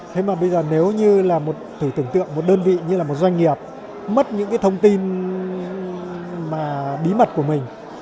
thế mà bây giờ nếu như là một thử tưởng tượng một đơn vị như là một doanh nghiệp mất những cái thông tin mà bí mật của mình